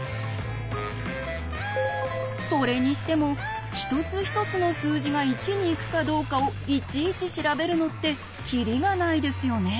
それにしても一つ一つの数字が１に行くかどうかをいちいち調べるのってキリがないですよね。